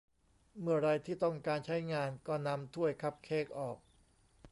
เมื่อไรที่ต้องการใช้งานก็นำถ้วยคัพเค้กออก